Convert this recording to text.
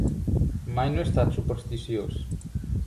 Mai no he estat supersticiós.